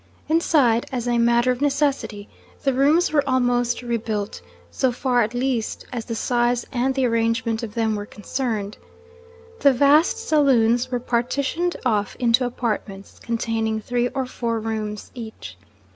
Inside, as a matter of necessity, the rooms were almost rebuilt so far at least as the size and the arrangement of them were concerned. The vast saloons were partitioned off into 'apartments' containing three or four rooms each.